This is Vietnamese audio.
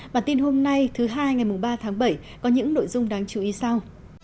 bản tin hôm nay thứ hai ngày ba tháng bảy có những nội dung đáng chú ý sau